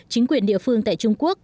chính quyền địa phương tại trung quốc